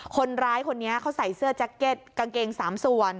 คนร้ายคนนี้เขาใส่เสื้อแจ็คเก็ตกางเกง๓ส่วน